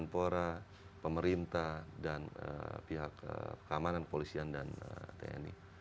pemerintah dan pihak keamanan kepolisian dan tni